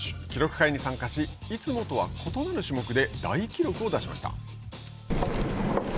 記録会に参加しいつもとは異なる種目で大記録を出しました。